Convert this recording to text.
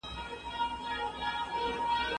پخواني سفیران د لوړو زده کړو پوره حق نه لري.